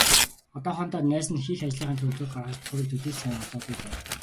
Одоохондоо найз нь хийх ажлынхаа төлөвлөгөөг гаргаж, товыг төдий л сайн олоогүй байна.